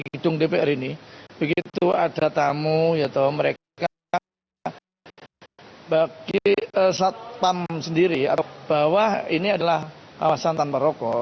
sudah suatu contoh di gedung dpr ini begitu ada tamu mereka bagi satpam sendiri bahwa ini adalah awasan tanpa rokok